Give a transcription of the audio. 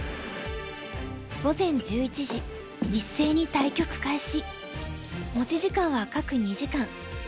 午前１１時一斉に対局開始。